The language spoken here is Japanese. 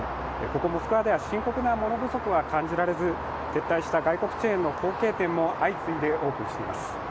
ここモスクワでは深刻な物不足は感じられず撤退した外国チェーンの後継店も相次いでオープンしています。